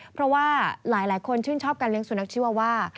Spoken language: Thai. เพราะว่าหลายคนชื่นชอบการเลี้ยสุนัขชีวาว่า